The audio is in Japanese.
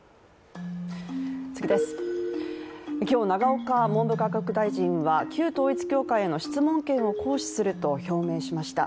今日、永岡文部科学大臣は旧統一教会への質問権を行使すると表明しました。